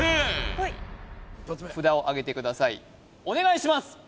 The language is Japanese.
お願いします